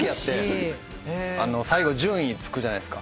最後順位つくじゃないですか。